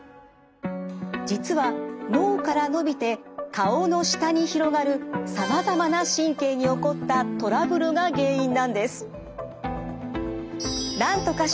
実は脳からのびて顔の下に広がるさまざまな神経に起こったトラブルが原因なんです。